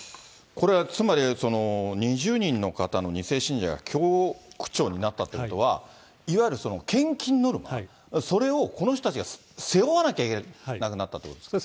これはつまり、２０人の方の２世信者が、教区長になったってことは、いわゆる献金ノルマ、それをこの人たちが背負わなきゃいけなくなったということですか。